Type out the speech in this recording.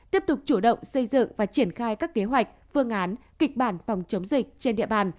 tiếp tục chủ động xây dựng và triển khai các kế hoạch phương án kịch bản phòng chống dịch trên địa bàn